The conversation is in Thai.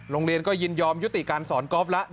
โรงเรียนก็ยินยอมยุติการสอนกอล์ฟแล้ว